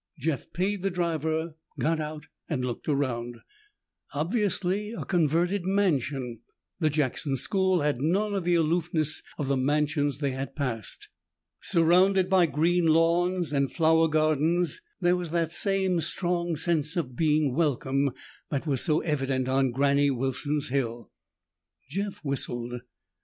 Jeff paid the driver, got out and looked around. Obviously a converted mansion, the Jackson School had none of the aloofness of the mansions they had passed. Surrounded by green lawns and flower gardens, there was the same strong sense of being welcome that was so evident on Granny Wilson's hill. Jeff whistled.